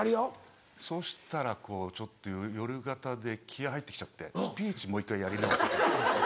そしたらこうちょっと夜型で気合入ってきちゃってスピーチもう一回やり直そうと。